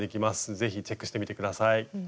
是非チェックしてみて下さい。